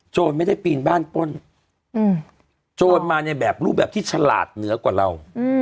ไม่ได้ปีนบ้านป้นโจรมาในแบบรูปแบบที่ฉลาดเหนือกว่าเรา